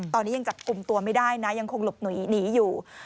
ตอนนี้ยังจับกลุ่มตัวไม่ได้นะยังคงหลบหนีอยู่